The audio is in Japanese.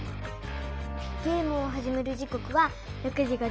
ゲームをはじめる時こくは６時５０分。